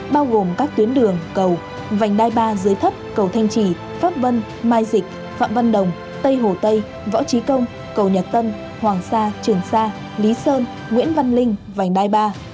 bao gồm các tuyến đường cầu vành đai ba dưới thấp cầu thanh trì pháp vân mai dịch phạm văn đồng tây hồ tây võ trí công cầu nhật tân hoàng sa trường sa lý sơn nguyễn văn linh vành đai ba